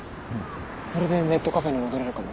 これでネットカフェに戻れるかも。